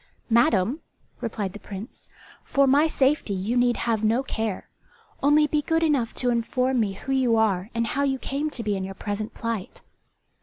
"Madam," replied the Prince, "for my safety you need have no care. Only be good enough to inform me who you are and how you came to be in your present plight."